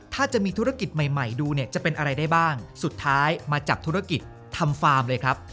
ถ้าจะมีธุรกิจใหม่ใหม่ดูเนี่ยจะเป็นอะไรได้บ้างสุดท้ายมาจับธุรกิจทำฟาร์มเลยครับ